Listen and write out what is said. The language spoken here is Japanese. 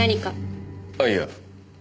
あっいや。